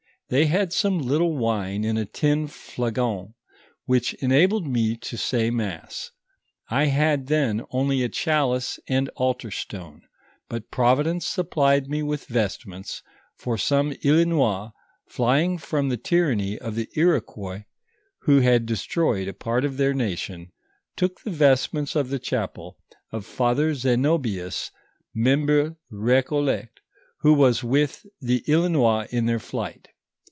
They had some little wine in a tin flagon, which enabled me to say mass; I had then only a chalice and altar stone ; but Providence sup plied me M'ith vestments, for some Islinois flying from the tyranny of the Iroquois, who had destroyed a part of their nation, took the vestments o\ the chapel of Father Zenobius Membr^, Recollect, who was with the Islinois in their flight.